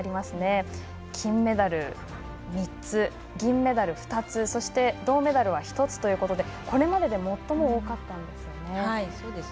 金メダル、３つ銀メダル、２つそして、銅メダルは１つということでこれまでで最も多かったんですね。